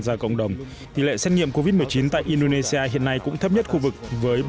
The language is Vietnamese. ra cộng đồng tỷ lệ xét nghiệm covid một mươi chín tại indonesia hiện nay cũng thấp nhất khu vực với